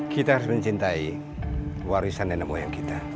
kita harus mencintai warisan nenek moyang kita